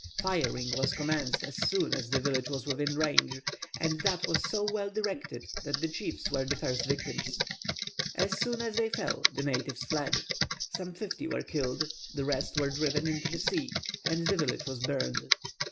Firing was commenced as soon as the village was within range, and this was so well directed that the chiefs were the first victims. As soon as they fell, the natives fled. Some fifty were killed, the rest were driven into the sea, and the village was burned.